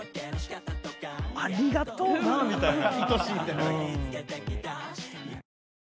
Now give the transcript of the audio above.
「ありがとうな」みたいな。